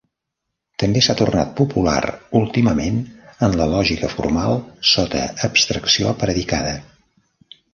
També s'ha tornat popular últimament en la lògica formal sota abstracció predicada.